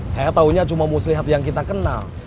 saya tahunya cuma muslihat yang kita kenal